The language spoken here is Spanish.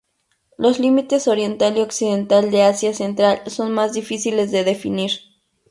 Los límites oriental y occidental de Asia Central son más difíciles de definir.